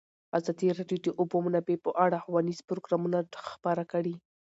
ازادي راډیو د د اوبو منابع په اړه ښوونیز پروګرامونه خپاره کړي.